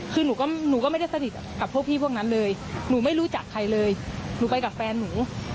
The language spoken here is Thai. คือหนูก็ไม่ได้สนิทกับพวกพี่พวกนั้นเลยหนูไม่รู้จักใครเลยหนูไปกับแฟนหนู